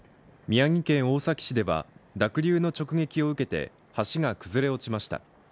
宮城県大崎市では濁流の直撃を受けて橋が崩れ落ちました。